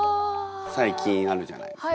最近あるじゃないですか。